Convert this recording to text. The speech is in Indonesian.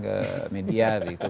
tersangka media begitu